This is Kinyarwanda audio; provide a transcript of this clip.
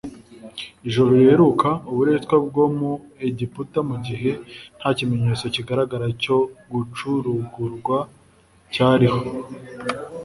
Ijoro riheruka uburetwa bwo mu Egiputa mu gihe nta kimenyetso kigaragara cyo gucurugurwa cyariho,